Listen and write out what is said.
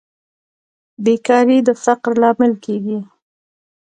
بیکاري د فقر لامل کیږي